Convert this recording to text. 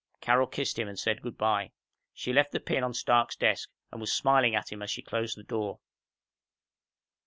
Carol kissed him and said good by. She left the pin on Stark's desk and was smiling at him as she closed the door.